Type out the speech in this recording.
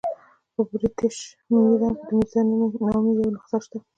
په برټش میوزیم کې د میرزا نامې یوه نسخه شته.